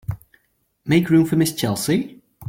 Make room for Mrs. Chelsea.